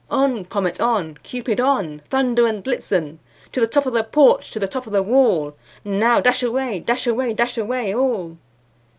On! Comet, on! Cupid, on! Dunder and Blitzen To the top of the porch, to the top of the wall! Now, dash away, dash away, dash away all!"